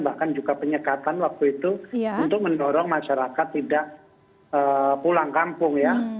dan juga penyekatan waktu itu untuk mendorong masyarakat tidak pulang kampung ya